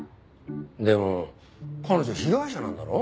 でも彼女被害者なんだろ？